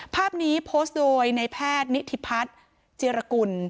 ภาพนี้โพสต์โดยในแพทย์นิธิพัฒน์เจรกุล